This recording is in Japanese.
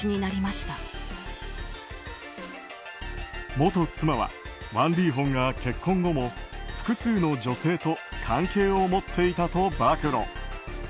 元妻は、ワン・リーホンが結婚後も複数の女性と関係を持っていたと暴露。